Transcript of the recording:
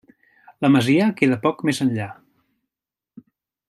La masia queda poc més enllà.